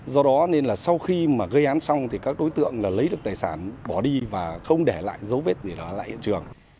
do đó nên là sau khi mà gây án xong thì các đối tượng là lấy được tài sản bỏ đi và không để lại dấu vết gì đó lại hiện trường